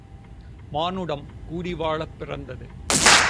மானுடம் கூடிவாழப் பிறந்தது.